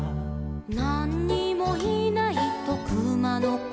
「なんにもいないとくまのこは」